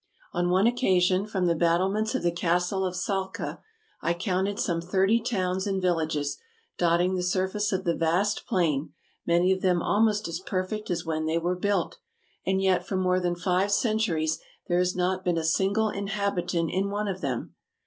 On one occasion, from the battlements of the Castle of Salcah, I counted some thirty towns and villages, dotting the surface of the vast plain, many of them almost as perfect as when they were built, and yet for more than five cen turies there has not been a single inhabitant in one of them.